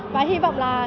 và hi vọng là